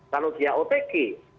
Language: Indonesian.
kalau dia opg